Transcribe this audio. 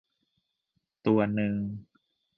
ตัวนึง